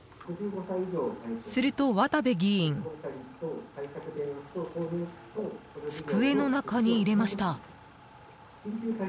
すると渡部議員机の中に入れました。